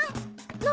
何？